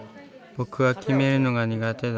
僕は決めるのが苦手だ。